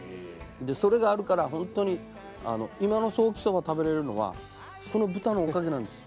それがあるから本当に今のソーキそば食べれるのはその豚のおかげなんです。